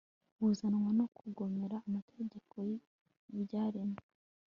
buzanwa no kugomera amategeko yibyaremwe